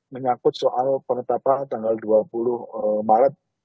menyangkut soal penetapan tanggal dua puluh maret